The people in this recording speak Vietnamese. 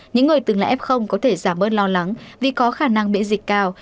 những người từng là f có thể giảm bớt lo lắng vì có khả năng bị dịch cao